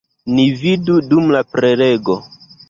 Ni vidu dum la prelego.